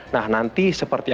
nah nanti sepertinya